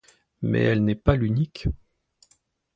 Mais elle n'est pas l'unique.